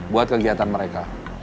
buat kegiatan mereka